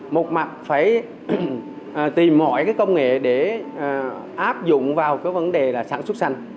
một mặt phải tìm mọi cái công nghệ để áp dụng vào cái vấn đề là sản xuất xanh